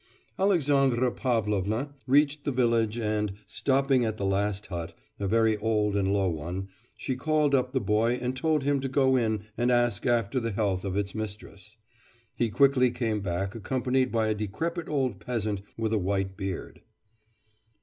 Alexandra Pavlovna reached the village and, stopping at the last hut, a very old and low one, she called up the boy and told him to go in and ask after the health of its mistress. He quickly came back accompanied by a decrepit old peasant with a white beard.